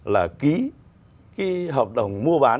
là ký hợp đồng mua bán